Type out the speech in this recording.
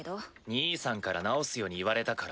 兄さんから直すように言われたから。